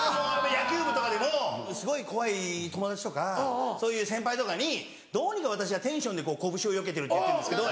野球部とかでもすごい怖い友達とかそういう先輩とかにどうにか私はテンションで拳をよけてるって言ってるんですけど。